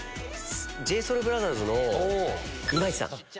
ＪＳＯＵＬＢＲＯＴＨＥＲＳの今市さん。